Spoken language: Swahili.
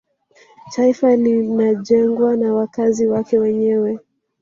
taifa linajengwa na wakazi wake wenyewe